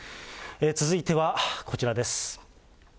続いてはこちらです。